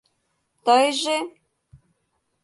— Тыйже?